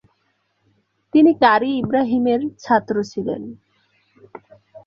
তিনি কারী ইব্রাহিমের ছাত্র ছিলেন।